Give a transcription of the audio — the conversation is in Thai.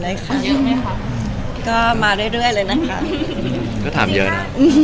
ว่าจริงจังแล้วก่อเรื่องการมีน้อง